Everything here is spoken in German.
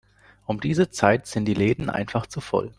Um diese Zeit sind die Läden einfach zu voll.